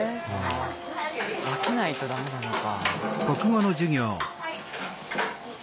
分けないとダメなのか。